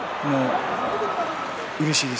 うれしいです。